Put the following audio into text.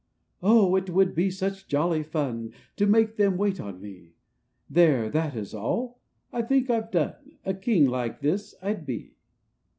" 0 ! it would be such jolly fun, To make them wait on me; There, that is all; I think I've done; A king like this I'd be